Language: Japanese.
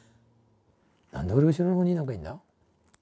なんで俺後ろの方になんかいるんだ？